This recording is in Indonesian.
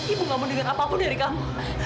ibu gak mau denger apapun dari kamu